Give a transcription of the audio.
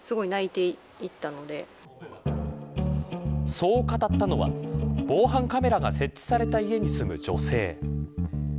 そう語ったのは防犯カメラが設置された家に住む女性。